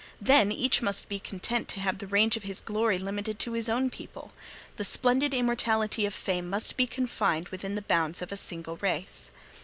Then, each must be content to have the range of his glory limited to his own people; the splendid immortality of fame must be confined within the bounds of a single race.